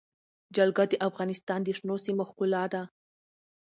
جلګه د افغانستان د شنو سیمو ښکلا ده.